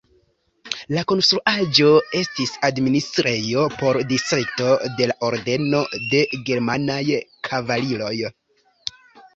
La konstruaĵo estis administrejo por distrikto de la Ordeno de germanaj kavaliroj.